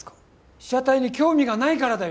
被写体に興味がないからだよ